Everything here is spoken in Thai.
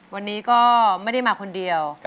วันนี้ก็ไม่ได้มาคนเดียว